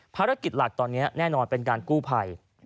ภารกิจหลักตอนนี้แน่นอนเป็นการกู้ภัย